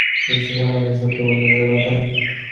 পুরুষের সম্বন্ধেও সত্য বলতে তাদের বাধা নেই।